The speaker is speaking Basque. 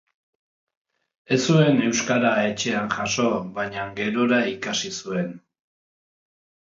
Ez zuen euskara etxean jaso, baina gerora ikasi zuen.